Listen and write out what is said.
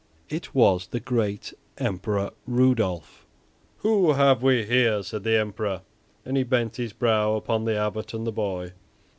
It was the great Emperor Rudolph. "Who have we here," said the Emperor, and he bent his brow upon the Abbot and the boy.